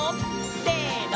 せの！